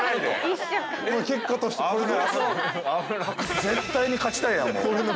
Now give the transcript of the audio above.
◆絶対に勝ちたいやん。